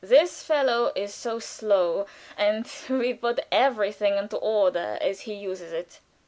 "This fellow is so slow, and will put everything into order as he uses it."